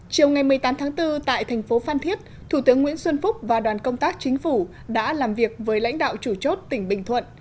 chiều ngày một mươi tám tháng bốn tại thành phố phan thiết thủ tướng nguyễn xuân phúc và đoàn công tác chính phủ đã làm việc với lãnh đạo chủ chốt tỉnh bình thuận